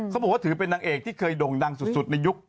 เขาบอกว่าถือเป็นนางเอกที่เคยด่งดังสุดในยุค